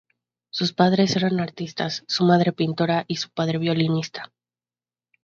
Sus padres eran artistas, su madre pintora y su padre violinista.